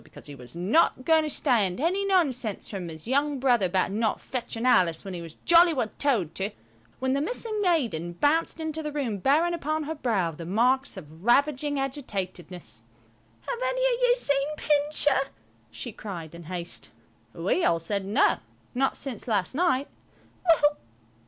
because he was not going to stand any nonsense from his young brother about his not fetching Alice when he was jolly well told to, when the missing maiden bounced into the room bearing upon her brow the marks of ravaging agitatedness. "Have any of you seen Pincher?" she cried, in haste. We all said, "No, not since last night."